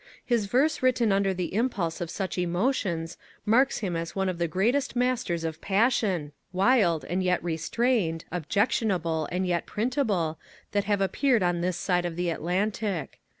His verse written under the impulse of such emotions marks him as one of the greatest masters of passion, wild and yet restrained, objectionable and yet printable, that have appeared on this side of the Atlantic.